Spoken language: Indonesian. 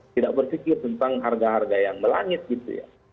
tidak berpikir tentang harga harga yang melangit gitu ya